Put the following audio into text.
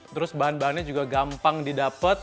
terus bahan bahannya juga gampang didapat